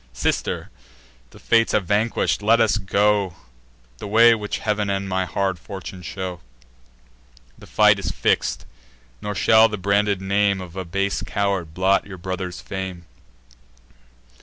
"Sister, the Fates have vanquish'd: let us go The way which Heav'n and my hard fortune show. The fight is fix'd; nor shall the branded name Of a base coward blot your brother's fame.